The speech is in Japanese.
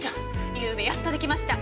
ゆうべやっと出来ました！